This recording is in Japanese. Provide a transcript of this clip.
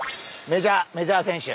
メジャーメジャー選手。